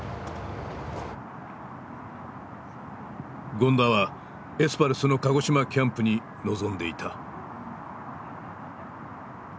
権田はエスパルスの鹿児島キャンプに臨んでいた。